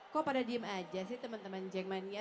kok pada diem aja sih temen temen jeng mania